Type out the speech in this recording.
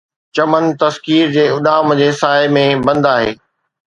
چمن تسخير جي اڏام جي سائي ۾ بند آهي